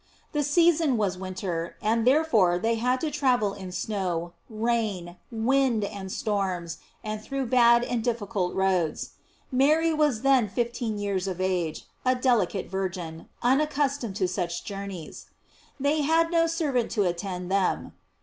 * The season was winter, and therefore they had to travel in snow, rain, wind, and storms, and through bad and difficult roads. Mary was then fifteen years of age, a delicate virgin, unaccustomed to such journeys. They had no servant to attend them.